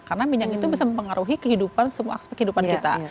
karena minyak itu bisa mempengaruhi kehidupan semua aspek kehidupan kita